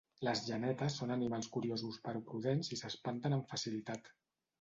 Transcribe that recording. Les genetes són animals curiosos però prudents i s'espanten amb facilitat.